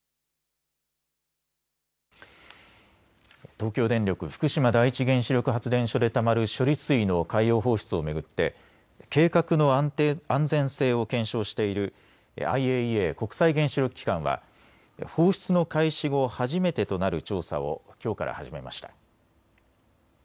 東京電力福島第一原子力発電所でたまる処理水の海洋放出を巡って計画の安全性を検証しているＩＡＥＡ・国際原子力機関は放出の開始後、初めてとなる調査をきょうから始めました。